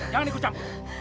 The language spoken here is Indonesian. jangan ikut kamu